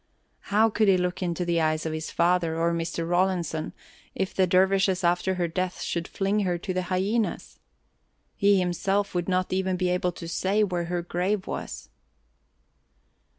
How could he look into the eyes of his father or Mr. Rawlinson, if the dervishes after her death should fling her to the hyenas. He himself would not even be able to say where her grave was.